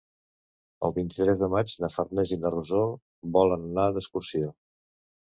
El vint-i-tres de maig na Farners i na Rosó volen anar d'excursió.